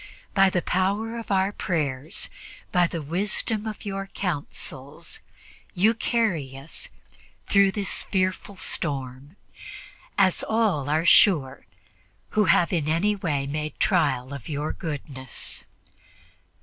By the power of our prayers, by the wisdom of your counsels, you are able to carry us through this fearful storm, as all are sure who have in any way made trial of your goodness.